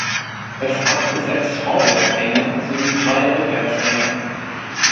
Es hat sechs Vorwärtsgänge sowie drei Rückwärtsgänge.